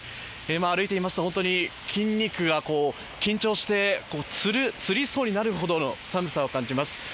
歩いていますと、筋肉が緊張してつりそうになるほどの寒さを感じます。